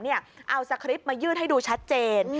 เอาสคริปต์มายืดให้ดูชัดเจน